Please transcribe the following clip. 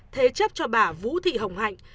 thế chấp cho bà vũ thị hồng hạnh